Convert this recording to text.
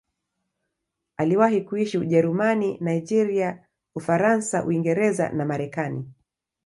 Aliwahi kuishi Ujerumani, Nigeria, Ufaransa, Uingereza na Marekani.